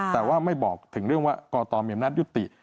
แต่ว่าไม่บอกถึงเรื่องว่ากตมีอำนาจยุติ